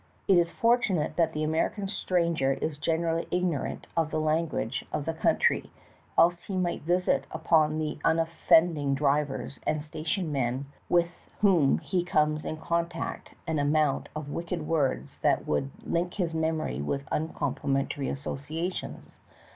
It is fortunate that the American stranger is generally ignorant of the language of the countr}^, else he might visit upon the unoflend ing drivers and station men with whom he comes in contact an amount of wicked words that would link his memory with uncomplimentary associa tions.